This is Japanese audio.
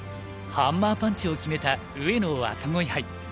ハンマーパンチを決めた上野若鯉杯。